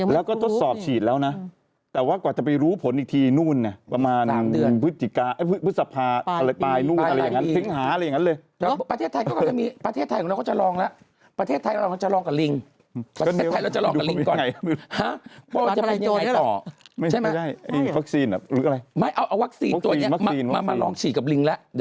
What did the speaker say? แล้วก็ยังต้องอยู่กับโรคนี้ต่อไปอเจมส์อศบ๊วยอศอศอศอศอศอศอศอศอศอศอศอศอศอศอศอศอศอศอศอศอศอศอศอศอศอศอศอศอศอศ